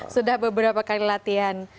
sudah beberapa kali latihan